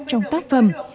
trong tác phẩm